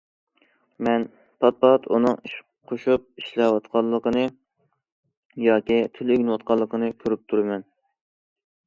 مەن پات- پات ئۇنىڭ ئىش قوشۇپ ئىشلەۋاتقانلىقىنى ياكى تىل ئۆگىنىۋاتقانلىقىنى كۆرۈپ تۇرىمەن.